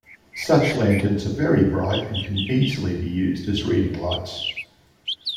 Such lanterns are very bright, and can easily be used as reading lights.